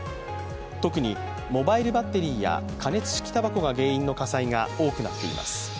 特に、モバイルバッテリーや加熱式たばこが原因の火災が多くなっています。